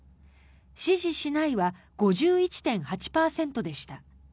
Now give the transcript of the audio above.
支持しないは５１．８％でした。